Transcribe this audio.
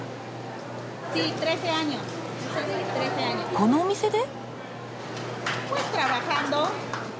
このお店で！？